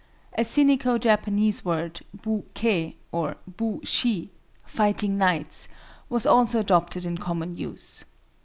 A Sinico Japanese word Bu ké or Bu shi (Fighting Knights) was also adopted in common use.